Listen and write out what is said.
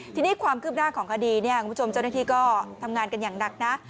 ทีนี้ความคืบหน้าของคดีเนี่ยคุณผู้ชมเจ้าหน้าที่ก็ทำงานกันอย่างหนักนะ